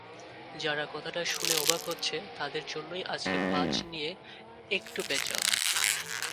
যারা কথাটা শুনে অবাক হচ্ছ, তাদের জন্যই আজকে পাঁচ নিয়ে একটু প্যাঁচাল।